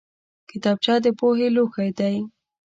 کتابچه د پوهې لوښی دی